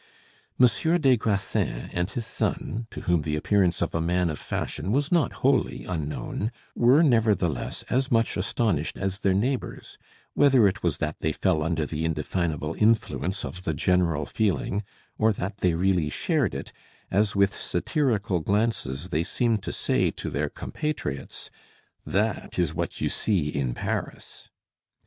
Monsieur des Grassins and his son, to whom the appearance of a man of fashion was not wholly unknown, were nevertheless as much astonished as their neighbors, whether it was that they fell under the indefinable influence of the general feeling, or that they really shared it as with satirical glances they seemed to say to their compatriots, "That is what you see in Paris!"